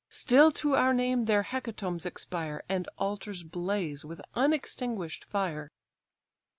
Still to our name their hecatombs expire, And altars blaze with unextinguish'd fire."